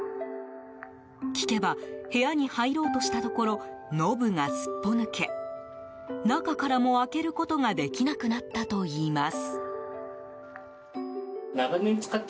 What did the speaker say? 聞けば部屋に入ろうとしたところノブがすっぽ抜け中からも開けることができなくなったといいます。